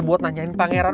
buat nanyain pangeran